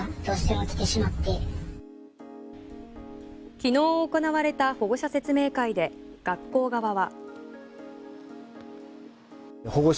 昨日行われた保護者説明会で学校側は。